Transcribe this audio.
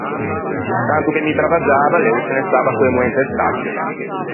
Tanto che mi travaggiava, lê o se ne stava co-e moen inte stacche.